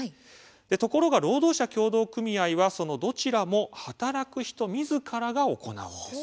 ところが、労働者協同組合はそのどちらも働く人みずからが行うんです。